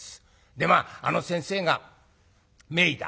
でまあ「あの先生が名医だ」